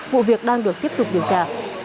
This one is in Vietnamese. vụ việc đang được tiếp tục điều tra